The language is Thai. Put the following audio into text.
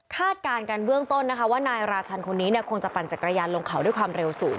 การกันเบื้องต้นนะคะว่านายราชันคนนี้คงจะปั่นจักรยานลงเขาด้วยความเร็วสูง